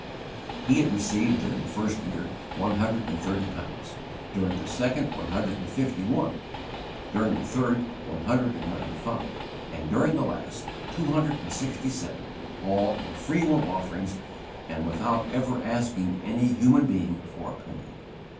He had received during the first year one hundred and thirty pounds, during the second one hundred and fifty one, during the third one hundred and ninety five, and during the last two hundred and sixty seven all in free will offerings and without ever asking any human being for a penny.